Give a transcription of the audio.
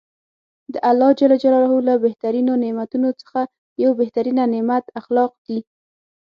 د الله ج له بهترینو نعمتونوڅخه یو بهترینه نعمت اخلاق دي .